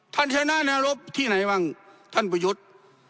ชนะแนวรบที่ไหนบ้างท่านประยุทธ์